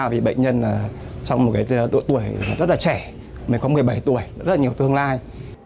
vì bệnh nhân trong một độ tuổi rất là trẻ mới có một mươi bảy tuổi rất là nhiều tương lai